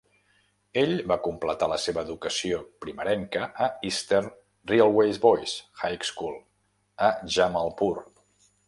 Ell va completar la seva educació primerenca a Eastern Railways Boys' High School, a Jamalpur.